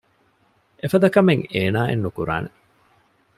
އެފަދަ ކަމެއް އޭނާއެއް ނުކުރާނެ